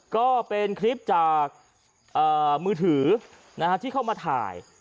ก็เป็นคลิปจากมือถือที่เข้ามาถ่าย